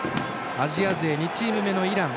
アジア勢２チーム目のイラン。